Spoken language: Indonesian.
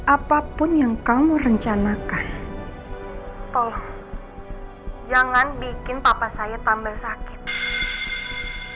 apapun yang kamu rencanakan tolong jangan bikin papa saya tambah sakit